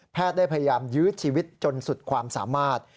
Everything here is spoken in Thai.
ได้พยายามยื้อชีวิตจนสุดความสามารถ